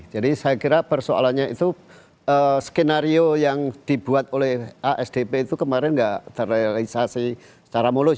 jadi saya kira persoalannya itu skenario yang dibuat oleh asdp itu kemarin gak terrealisasi secara mulus ya